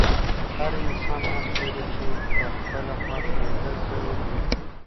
هر انسان حق لري چې په خپله خوښه زده کړه وکړي.